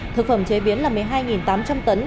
thực phẩm chế biến là một mươi hai tám trăm linh tấn